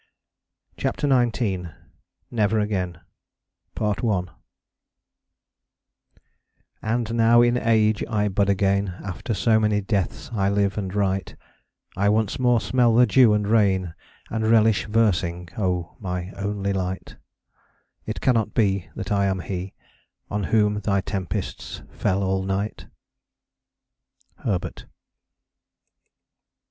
CHAPTER XIX NEVER AGAIN And now in age I bud again, After so many deaths I live and write; I once more smell the dew and rain, And relish versing. O my onely light, It cannot be That I am he On whom thy tempests fell all night. HERBERT.